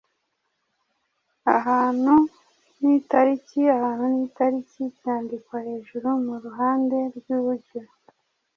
Ahantu n’itariki: Ahantu n’itariki byandikwa hejuru mu ruhande rw’iburyo